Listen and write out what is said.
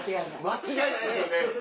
間違いないですよね。